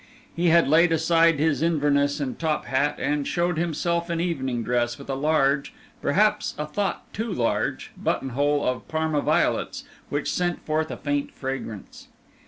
He had laid aside his Inverness and top hat, and showed himself in evening dress with a large perhaps a thought too large buttonhole of Parma violets, which sent forth a faint fragrance.